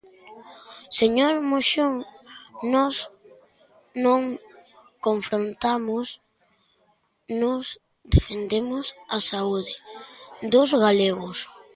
Señor Moxón, nós non confrontamos, nós defendemos a saúde dos galegos.